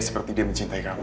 seperti dia mencintai kamu